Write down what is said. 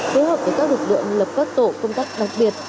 phối hợp với các lực lượng lập các tổ công tác đặc biệt